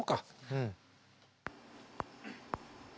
うん。